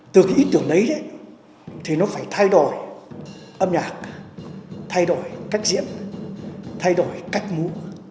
từ cái ý tưởng đấy thì nó phải thay đổi âm nhạc thay đổi cách diễn thay đổi cách múa